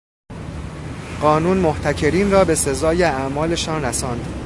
قانون، محتکرین را به سزای اعمالشان رساند